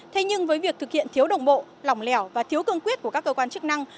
thế nhưng với việc thực hiện thiếu đồng bộ lỏng lẻo và thiếu cương quyết của các cơ quan chức năng